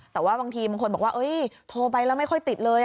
แต่ว่าบางทีบางคนบอกว่าโทรไปแล้วไม่ค่อยติดเลย